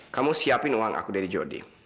kamu siapin uang aku dari jody